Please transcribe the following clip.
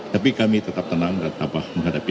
tapi kami tetap tenang dan menghadapi